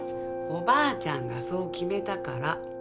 おばあちゃんがそう決めたから。